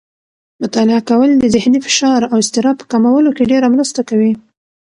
مطالعه کول د ذهني فشار او اضطراب په کمولو کې ډېره مرسته کوي.